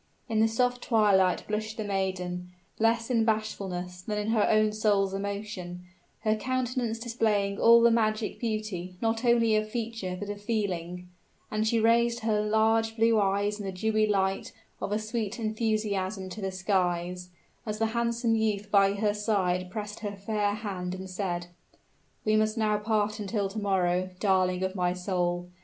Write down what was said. In the soft twilight blushed the maiden, less in bashfulness than in her own soul's emotion, her countenance displaying all the magic beauty not only of feature but of feeling; and she raised her large blue eyes in the dewy light of a sweet enthusiasm to the skies, as the handsome youth by her side pressed her fair hand and said, "We must now part until to morrow, darling of my soul!